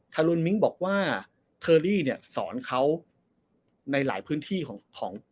รุนมิ้งบอกว่าเทอรี่เนี่ยสอนเขาในหลายพื้นที่ของ